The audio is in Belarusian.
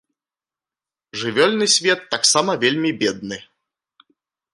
Жывёльны свет таксама вельмі бедны.